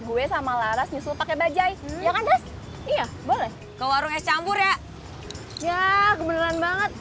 gue sama laras nyusul pakai bajaj ya kan das iya boleh ke warung es campur ya ya beneran banget